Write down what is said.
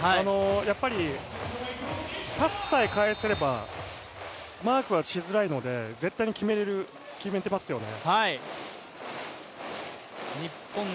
やっぱりパスさえ返せればマークはしづらいので絶対に決めてますよね。